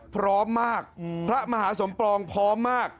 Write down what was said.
พร้อมมากพระมหาสมปองพร้อมมาก